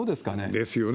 ですよね。